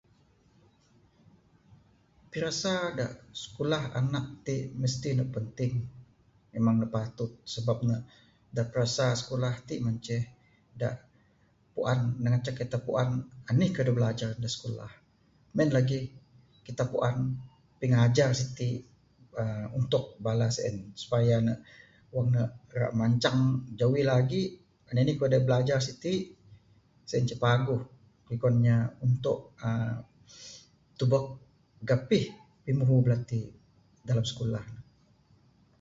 Pirasa da sikulah anak ti mesti ne penting memang ne patut sebab ne pirasa sikulah ti inceh da puan ne ngancak kita puan anih da bilajar da sikulah Meng en lagih kita puan pingajar siti uhh untuk bala sien untuk wang ne ra mancang jawi ne lagi. Anih anih kayuh da bilajar siti sien ce paguh da kuan inya untuk uhh untuk tubek gapih pimuhu bala ti dalam sikulah ne